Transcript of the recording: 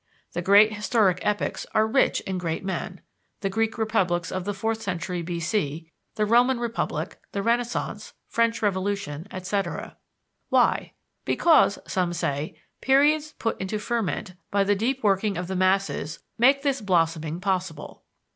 The great historic epochs are rich in great men (the Greek republics of the fourth century B. C., the Roman Republic, the Renaissance, French Revolution, etc.). Why? Because, say some, periods put into ferment by the deep working of the masses make this blossoming possible.